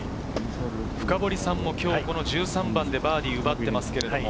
深堀さんも今日１３番でバーディーを奪ってます。